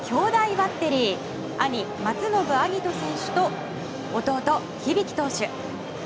バッテリー兄・松延晶音選手と弟・響投手。